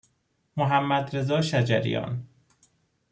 محمدرضا شجریان